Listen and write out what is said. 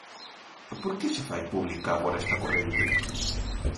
Por que se fai pública agora esta corrente?